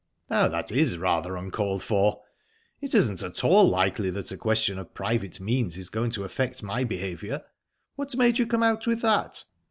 "Now, that is rather uncalled for. It isn't at all likely that a question of private means is going to affect my behaviour. What made you come out with that?"